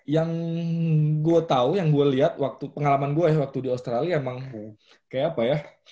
yang gue tau yang gue liat pengalaman gue ya waktu di australia emang kayak apa ya